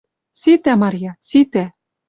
«Ситӓ, Марья, ситӓ, —